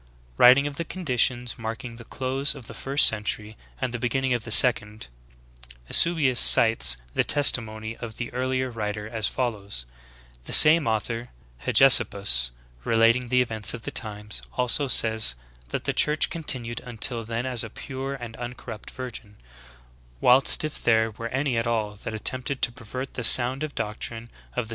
Writing of the conditions marking the close of the first century and the beginning of the second, Eusebius cites the testimony of the earlier writer as follows :— "The same author, [Hegesippus] relating the events of the times, also says, that the Church continued until then as a pure and un corrupt virgin ; whilst if there were any at all that attempted to pervert the sound doctrine of thg.